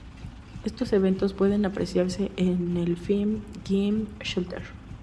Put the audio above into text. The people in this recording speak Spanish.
Estos eventos pueden apreciarse en el film "Gimme Shelter.